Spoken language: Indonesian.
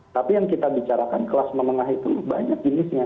tapi yang kita bicarakan kelas menengah itu banyak jenisnya